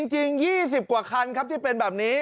จริง๒๐กว่าคันครับที่เป็นแบบนี้